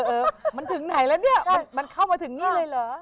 เออมันถึงไหนแล้วเนี่ยมันเข้ามาถึงนี่เลยเหรอ